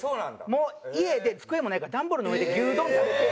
家で机もないから段ボールの上で牛丼食べて。